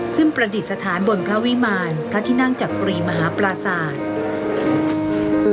ประดิษฐานบนพระวิมารพระที่นั่งจักรีมหาปราศาสตร์